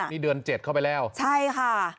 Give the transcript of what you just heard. นี่เดือน๗เข้าไปแล้วใช่ค่ะ